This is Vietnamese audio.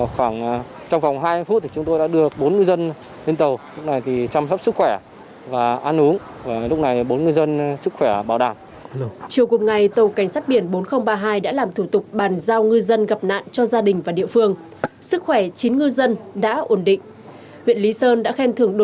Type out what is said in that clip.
trong khoảng hai mươi phút chúng tôi đã đưa bốn ngư dân lên tàu